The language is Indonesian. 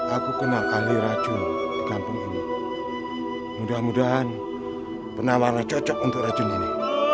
aku kenal kali racun di kampung ini mudah mudahan penawaran cocok untuk racun ini